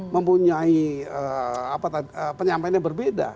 mempunyai penyampaian yang berbeda